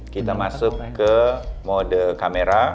kita masuk ke mode kamera